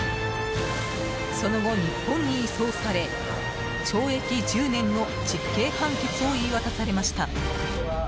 その後、日本に移送され懲役１０年の実刑判決を言い渡されました。